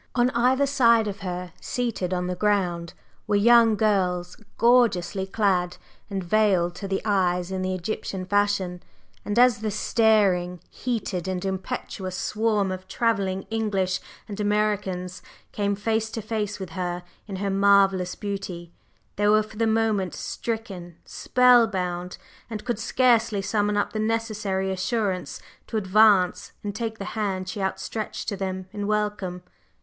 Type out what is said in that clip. On either side of her, seated on the ground, were young girls gorgeously clad and veiled to the eyes in the Egyptian fashion, and as the staring, heated and impetuous swarm of "travelling" English and Americans came face to face with her in her marvellous beauty, they were for the moment stricken spellbound, and could scarcely summon up the necessary assurance to advance and take the hand she outstretched to them in welcome.